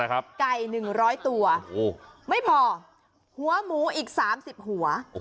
ไก่๑๐๐ตัวไม่พอหัวหมูอีก๓๐หัว